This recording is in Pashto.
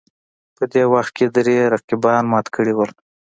په دې وخت کې درې رقیبان مات کړي وو